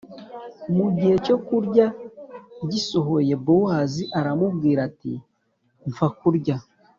Igihe cyo kurya gisohoye Bowazi aramubwira ati mfa kurya